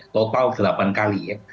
total delapan kali